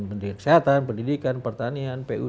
pendidikan kesehatan pendidikan pertanian pu dan sebagainya